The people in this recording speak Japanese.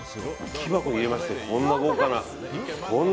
木箱に入れるとこんなに豪華な。